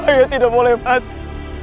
ayah tidak boleh mati